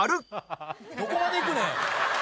どこまでいくねん！